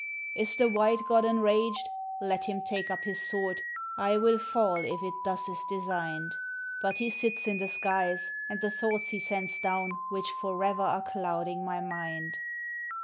"Is the White God enraged? Let him take up his sword, I will fall if it thus is designed; But he sits in the skies, and the thoughts he sends down which forever are clouding my mind."